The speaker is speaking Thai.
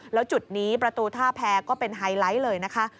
แล้วจุดนี้ประตูท่าแพรก็เป็นไฮไลท์เลยนะคะ